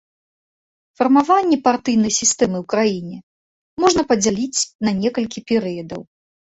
Фармаванне партыйнай сістэмы ў краіне можна падзяліць на некалькі перыядаў.